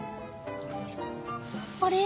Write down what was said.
あれ？